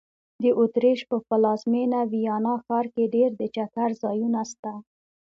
د اوترېش په پلازمېنه ویانا ښار کې ډېر د چکر ځایونه سته.